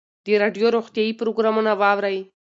د راډیو روغتیایي پروګرامونه واورئ.